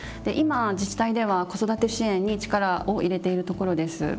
今自治体では子育て支援に力を入れているところです。